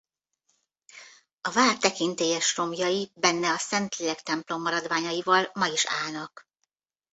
A vár tekintélyes romjai benne a Szentlélek templom maradványaival ma is állnak.